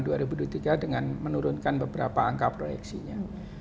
dengan menurunkan beberapa angka proyeksinya